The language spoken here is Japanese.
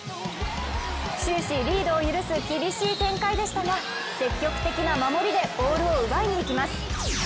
終始リードを許す厳しい展開でしたが積極的な守りでボールを奪いにいきます。